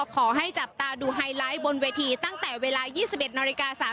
ขอให้จับตาดูไฮไลท์บนเวทีตั้งแต่เวลา๒๑นาฬิกา๓๐